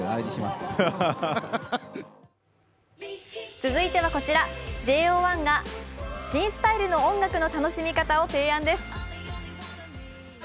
続いてはこちらＪＯ１が新スタイルの音楽の楽しみ方を提案です。